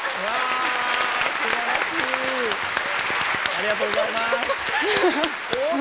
ありがとうございます。